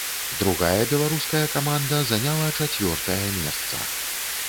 Другая беларуская каманда заняла чацвёртае месца.